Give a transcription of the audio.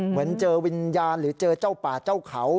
เหมือนเจอวิญญาณหรือเจอเจ้าป่าเจ้าเขา